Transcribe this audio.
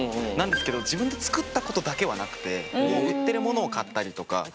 なんですけど自分で作ったことだけはなくてもう売ってる物を買ったりとか。